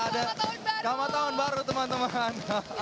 selamat tahun baru teman teman